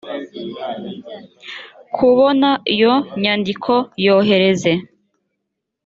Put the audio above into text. kubona iyo nyandiko yohereza